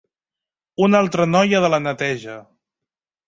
Una altra noia de la neteja.